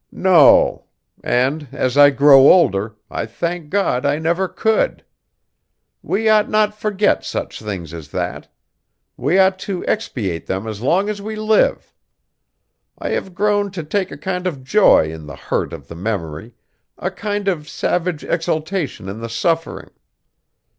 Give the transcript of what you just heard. "No. And as I grow older I thank God I never could. We ought not forget such things as that. We ought to expiate them as long as we live. I have grown to take a kind of joy in the hurt of the memory, a kind of savage exaltation in the suffering.